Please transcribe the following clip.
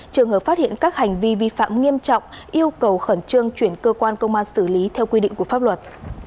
trường hợp phát hiện các hành vi vi phạm nghiêm trọng yêu cầu khẩn trương chuyển cơ quan công an xử lý theo quy định của pháp luật